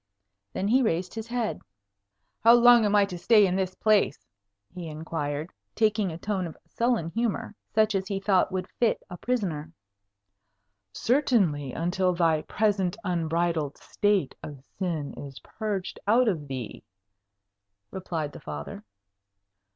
Then he raised his head. "How long am I to stay in this place?" he inquired, taking a tone of sullen humour, such as he thought would fit a prisoner. "Certainly until thy present unbridled state of sin is purged out of thee," replied the Father.